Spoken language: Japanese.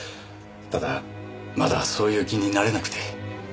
ただまだそういう気になれなくて。